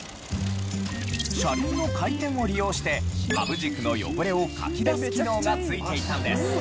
車輪の回転を利用してハブ軸の汚れをかき出す機能がついていたんです。